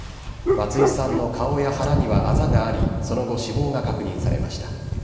松井さんの顔や腹にはあざがあり、その後、死亡が確認されました。